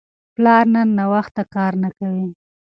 پلار نن ناوخته کار نه کوي.